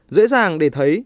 dễ dàng để thấy